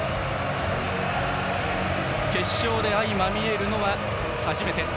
決勝で相まみえるのは初めて。